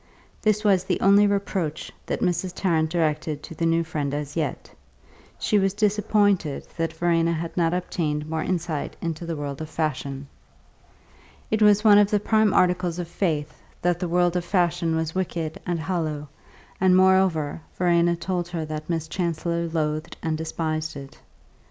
This was the only reproach that Mrs. Tarrant directed to the new friend as yet; she was disappointed that Verena had not obtained more insight into the world of fashion. It was one of the prime articles of her faith that the world of fashion was wicked and hollow, and, moreover, Verena told her that Miss Chancellor loathed and despised it.